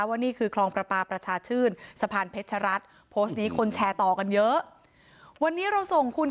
วันนี้เราส่งคุณ